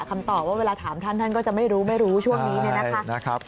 คำตอบว่าเวลาถามท่านก็จะไม่รู้ช่วงนี้เลยนะคะ